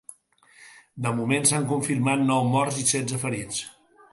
De moment, s’han confirmat nou morts i setze ferits.